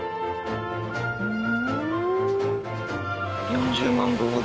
ふん。